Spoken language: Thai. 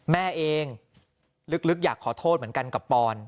แม่เองลึกอยากขอโทษเหมือนกันกับปอน